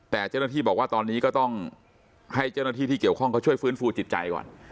แต่เจ้าหน้าที่บอกว่าตอนนี้ก็ต้องให้เจ้าหน้าที่ที่เกี่ยวข้องเขาช่วยฟื้นฟูจิตใจก่อน